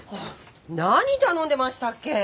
何頼んでましたっけ？